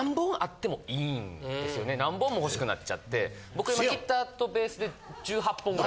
僕今ギターとベースで１８本ぐらい。